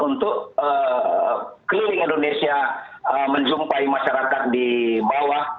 untuk keliling indonesia menjumpai masyarakat di bawah